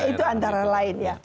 itu antara lain ya